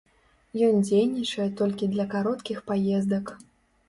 Ён дзейнічае толькі для кароткіх паездак.